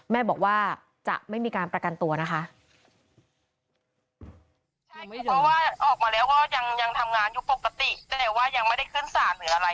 แม่บอกว่าจะไม่มีการประกันตัวนะคะ